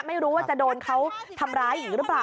ไม่รู้ว่าจะโดนเขาทำร้ายอีกหรือเปล่า